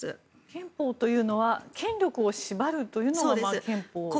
憲法というのは権力を縛るというのが憲法です。